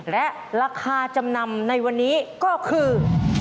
และราคาจำนำในวันนี้ก็คือ